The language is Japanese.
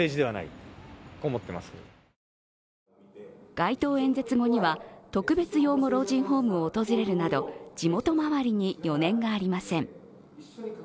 街頭演説後には特別養護老人ホームを訪れるなど地元回りに余念がありません。